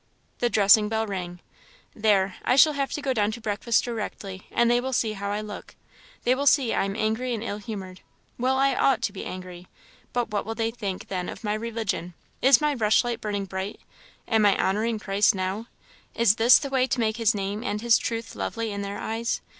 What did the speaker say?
The dressing bell rang. "There! I shall have to go down to breakfast directly, and they will see how I look they will see I am angry and ill humoured. Well, I ought to be angry! But what will they think, then, of my religion? Is my rushlight burning bright? Am I honouring Christ now? Is this the way to make his name and his truth lovely in their eyes?